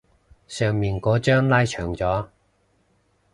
上面嗰張拉長咗